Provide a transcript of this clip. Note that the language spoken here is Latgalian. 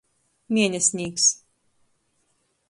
Mienesnīks.